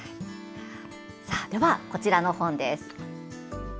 では、こちらの本です。